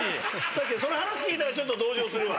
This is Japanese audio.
その話聞いたらちょっと同情するわ。